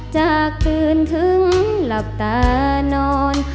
จากตื่นถึงหลับตานอน